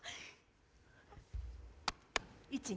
１２。